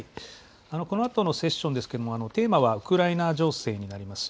このあとのセッションですけれども、テーマはウクライナ情勢になります。